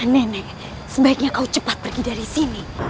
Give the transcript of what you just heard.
nenek sebaiknya kau cepat pergi